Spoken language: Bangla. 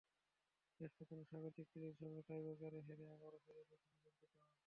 শেষ পর্যন্ত স্বাগতিক চিলির সঙ্গে টাইব্রেকারে হেরে আবারও শিরোপা থেকে বঞ্চিত হওয়া।